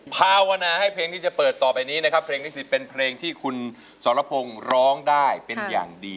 ภาวนาให้เพลงที่จะเปิดต่อไปนี้นะครับเพลงนี้สิเป็นเพลงที่คุณสรพงศ์ร้องได้เป็นอย่างดี